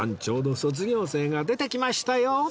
ちょうど卒業生が出てきましたよ！